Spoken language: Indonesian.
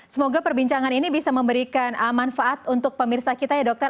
semoga perbincangan ini bisa memberikan manfaat untuk pemirsa kita ya dokter